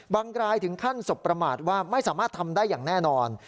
รายถึงขั้นสบประมาทว่าไม่สามารถทำได้อย่างแน่นอน